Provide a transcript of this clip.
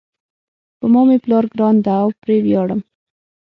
په ما مېپلار ګران ده او پری ویاړم